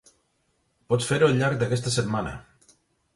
Pots fer-ho al llarg d'aquesta setmana.